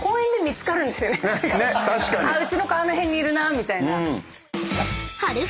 うちの子あの辺にいるなみたいな。